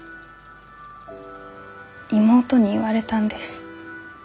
妹に言われたんです。